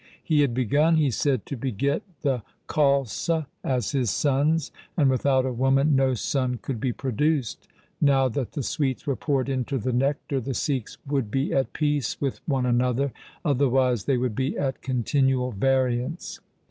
He had begun, he said, to beget the Khalsa 1 as his sons, and without a woman no son could be produced. Now that the sweets were poured into the nectar the Sikhs would be at peace with one another, otherwise they would be at continual variance.